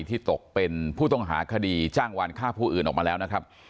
ที่ตกเป็นผู้ต้องหาคดีจ้างวานฆ่าผู้อื่นออกมาแล้วนะครับ